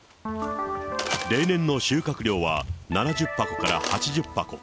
例年の収穫量は７０箱から８０箱。